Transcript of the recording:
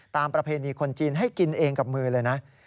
ประเพณีคนจีนให้กินเองกับมือเลยนะ